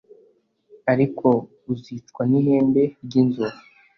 ariko uzicwa n'ihembe ry' inzovu